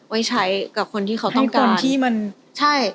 ไว้ใช้กับคนที่เขาต้องการที่มันใช่